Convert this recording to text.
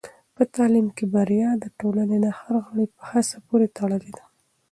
په تعلیم کې بریا د ټولنې د هر غړي په هڅه پورې تړلې ده.